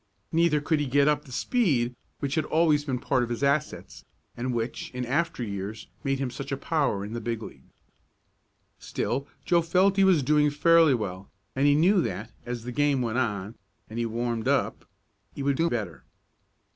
Neither could he get up the speed which had always been part of his assets, and which, in after years, made him such a power in the big league. Still Joe felt that he was doing fairly well, and he knew that, as the game went on, and he warmed up, he would do better.